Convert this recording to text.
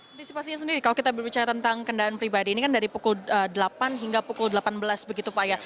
antisipasinya sendiri kalau kita berbicara tentang kendaraan pribadi ini kan dari pukul delapan hingga pukul delapan belas begitu pak ya